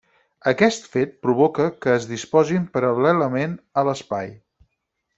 Aquest fet provoca que es disposin paral·lelament a l'espai.